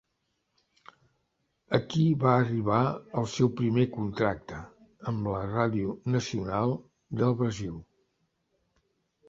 Aquí va arribar el seu primer contracte, amb la Ràdio Nacional del Brasil.